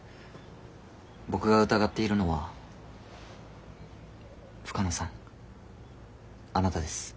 僕が疑っているのは深野さんあなたです。